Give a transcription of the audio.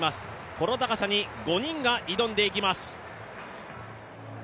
この高さに５人が挑んでいきます。